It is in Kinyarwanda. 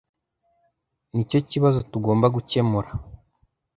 Nicyo kibazo tugomba gukemura.